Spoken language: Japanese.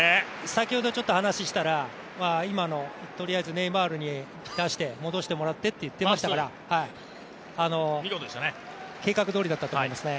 先ほど話をしたら今の、とりあえずネイマールに出して戻してもらってって言ってましたから、計画どおりだったと思いますね。